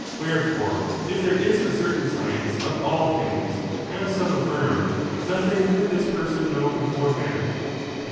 Wherefore, if there is a certain science of all things, as some affirm, nothing could this person know beforehand.